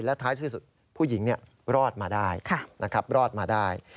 และท้ายที่สุดผู้หญิงรอดมาได้